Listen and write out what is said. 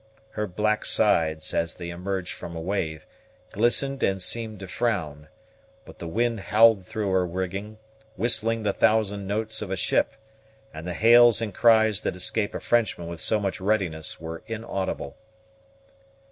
Her black sides, as they emerged from a wave, glistened and seemed to frown; but the wind howled through her rigging, whistling the thousand notes of a ship; and the hails and cries that escape a Frenchman with so much readiness were inaudible.